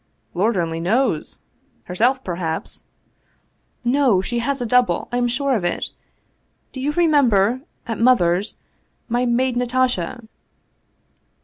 " Lord only knows ! Herself, perhaps !"" No, she has a double ! I am sure of it ! Do you re member, at mother's, my maid Natasha